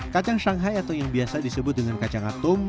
kacang shanghai atau yang biasa disebut dengan kacang atung